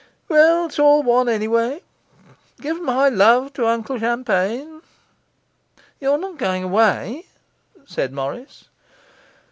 Well, it's all one, anyway. Give my love to Uncle Champagne.' 'You're not going away?' said Morris.